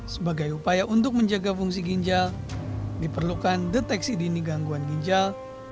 sebagai upaya untuk menjaga fungsi ginjal diperlukan deteksi dini gangguan ginjal